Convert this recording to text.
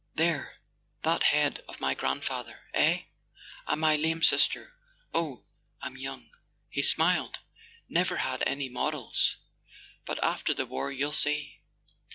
.. There, that head of my grandfather, eh? And my lame sister. .. Oh, I'm young .. he smiled ... "never had any models. .. But after the war you'll see.